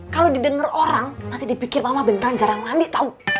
kalau didengar orang nanti dipikir mama bentar jarang mandi tahu